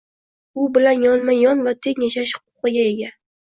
U bilan yonma-yon va teng yashash huquqiga ega